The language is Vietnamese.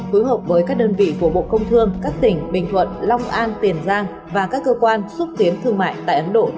phối hợp với các đơn vị của bộ công thương các tỉnh bình thuận long an tiền giang và các cơ quan xúc tiến thương mại tại ấn độ